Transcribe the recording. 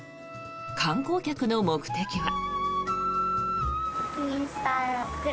観光客の目的は。